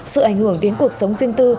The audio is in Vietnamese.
sự ảnh hưởng đến cuộc sống riêng tư